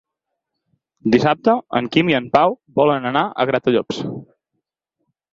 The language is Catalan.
Dissabte en Quim i en Pau volen anar a Gratallops.